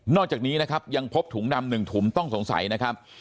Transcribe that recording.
อกจากนี้นะครับยังพบถุงดำ๑ถุงต้องสงสัยนะครับ